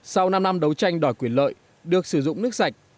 sau năm năm đấu tranh đòi quyền lợi được sử dụng nước sạch